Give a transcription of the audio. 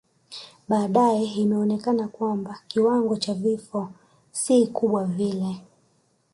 Baadae imeonekana kwamba kiwango cha vifo si kubwa vile